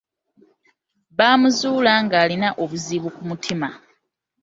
Baamuzuula ng'alina obuzibu ku mutima.